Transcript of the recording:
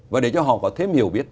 và để cho họ có thêm hiểu biết